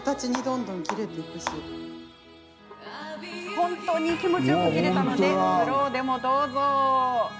本当に気持ちよく切れたのでスローでもどうぞ。